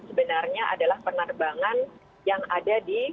sebenarnya adalah penerbangan yang ada di